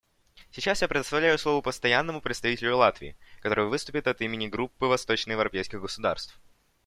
Сейчас я предоставляю слово Постоянному представителю Латвии, который выступит от имени Группы восточноевропейских государств.